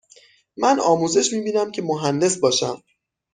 من آموزش می بینم که مهندس باشم.